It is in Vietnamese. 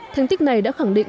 thành tích này đã khẳng định